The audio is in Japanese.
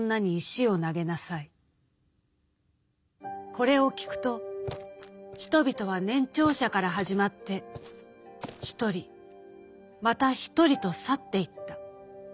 「これを聞くと人々は年長者から始まって一人また一人と去っていった。